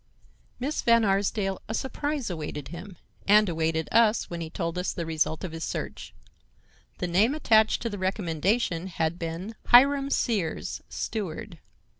"Miss Van Arsdale, a surprise awaited him, and awaited us when he told the result of his search. The name attached to the recommendation had been—'Hiram Sears, Steward.